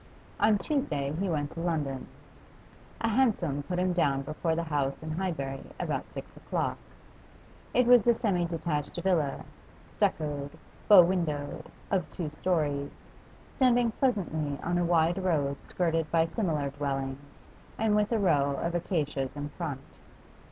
On Tuesday he went to London. A hansom put him down before the house in Highbury about six o'clock. It was a semidetached villa, stuccoed, bow windowed, of two storeys, standing pleasantly on a wide road skirted by similar dwellings, and with a row of acacias in front.